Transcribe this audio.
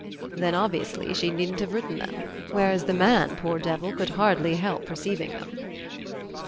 "Then, obviously, she needn't have written them; whereas the man, poor devil, could hardly help receiving them."